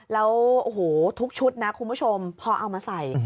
แล้วโอ้โหทุกชุดนะคุณผู้ชมพอเอามาใส่